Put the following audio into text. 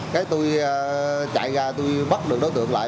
cái tôi chạy ra tôi bắt được đối tượng lại